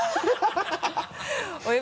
ハハハ